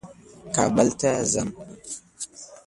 کابل ته ځم.